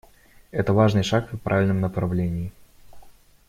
Это важный шаг в правильном направлении.